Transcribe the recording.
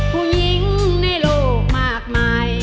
ผู้หญิงในโลกมากมาย